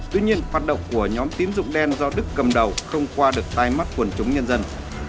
tuy nhiên hoạt động của nhóm tiến dụng đen do đức cầm đầu không qua được tay mắt quần chúng nhân dân